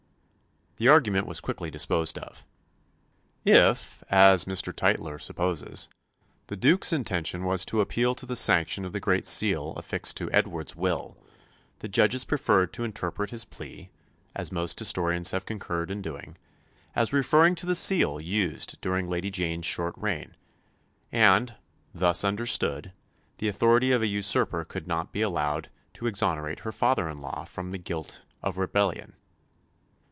The argument was quickly disposed of. If, as Mr. Tytler supposes, the Duke's intention was to appeal to the sanction of the great seal affixed to Edward's will, the judges preferred to interpret his plea, as most historians have concurred in doing, as referring to the seal used during Lady Jane's short reign; and, thus understood, the authority of a usurper could not be allowed to exonerate her father in law from the guilt of rebellion.